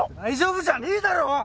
大丈夫じゃねえだろ！